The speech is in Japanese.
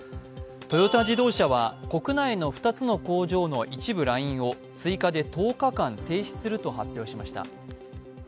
トヨタ自動車は国内の２つの工場の一部ラインを追加で１０日間停止すると発表しました。